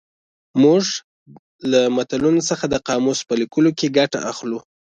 موږ له متلونو څخه د قاموس په لیکلو کې ګټه اخلو